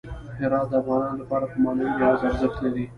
هرات د افغانانو لپاره په معنوي لحاظ ارزښت لري.